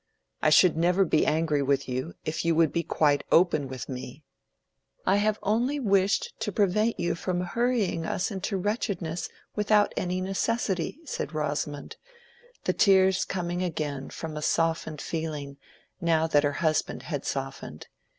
I should never be angry with you if you would be quite open with me." "I have only wished to prevent you from hurrying us into wretchedness without any necessity," said Rosamond, the tears coming again from a softened feeling now that her husband had softened.